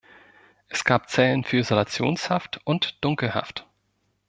Es gab Zellen für Isolationshaft und Dunkelhaft.